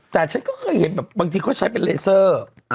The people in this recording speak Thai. แต่ฉันก็เคยเห็นแบบบางทีเขาใช้เป็นเลเซอร์